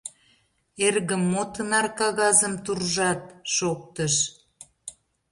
— Эргым, мо тынар кагазым туржат? — шоктыш.